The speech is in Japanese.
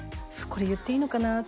これ言っていいのかな